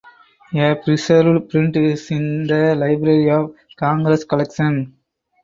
A preserved print is in the Library of Congress collection.